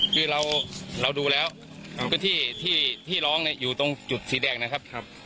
คือเราดูแล้วพื้นที่ที่ร้องอยู่ตรงจุดสีแดงนะครับ